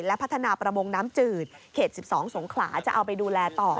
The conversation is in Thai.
และพัฒนาประมงน้ำจืดเขต๑๒สงขลาจะเอาไปดูแลต่อ